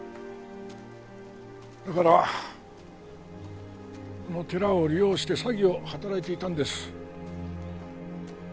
だからこの寺を利用して詐欺を働いていたんです。